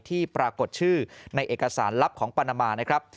ที่ปรากฏชื่อในเอกสารลับของปันมา